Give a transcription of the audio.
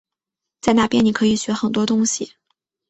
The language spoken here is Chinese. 在那边你可以学很多东西